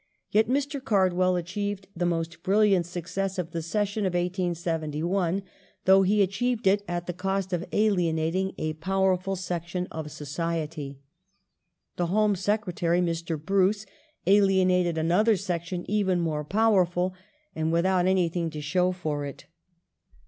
Yet Temper Mr. Card well achieved the most brilliant success of the session of ^g^^^^ 1871, though he achieved it at the cost of alienating a powerful section of society. The Home Secretary, Mr. Bruce, alienated another section even more powerful, and without anything to show for it.